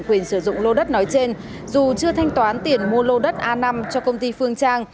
quyền sử dụng lô đất nói trên dù chưa thanh toán tiền mua lô đất a năm cho công ty phương trang